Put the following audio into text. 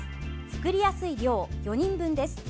作りやすい量、４人分です。